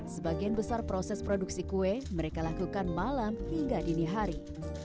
sebagian besar proses produksi kue mereka lakukan malam hingga dini hari